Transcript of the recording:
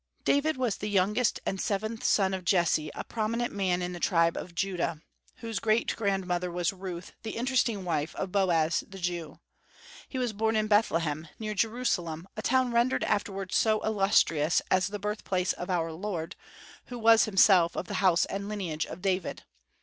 David was the youngest and seventh son of Jesse, a prominent man of the tribe of Judah, whose great grandmother was Ruth, the interesting wife of Boaz the Jew. He was born in Bethlehem, near Jerusalem, a town rendered afterward so illustrious as the birthplace of our Lord, who was himself of the house and lineage of David.